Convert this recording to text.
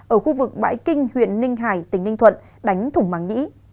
ở khu vực bãi kinh huyện ninh hải tỉnh ninh thuận đánh thủng màng nhĩ